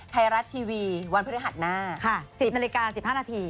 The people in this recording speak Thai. ไทยรัฐทีวีวันพฤหัสหน้า๑๐นาฬิกา๑๕นาที